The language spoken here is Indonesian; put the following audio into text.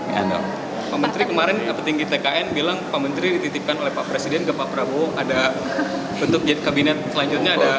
pak menteri kemarin petinggi tkn bilang pak menteri dititipkan oleh pak presiden ke pak prabowo ada bentuk kabinet selanjutnya